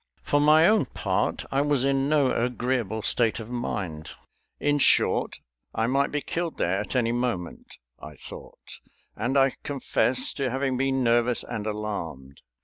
For my own part, I was in no agreeable state of mind. In short, I might be killed there at any moment, I thought, and I confess to having been nervous and alarmed.